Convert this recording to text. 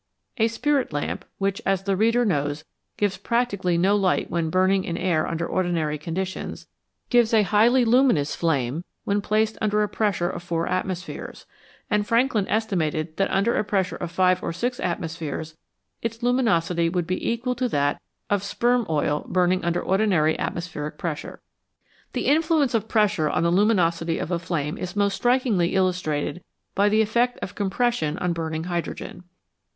A spirit lamp, which, as the reader knows, gives practically no light when burning in air under ordinary conditions, gives a highly luminous flame when placed under a pressure of four atmospheres ; and Frankland estimated that under a pressure of five or six atmospheres its luminosity would be equal to that of sperm oil burn ing under ordinary atmospheric pressure. The influence of pressure on the luminosity of a flame is most strikingly illustrated by the effect of compres sion on burning hydrogen.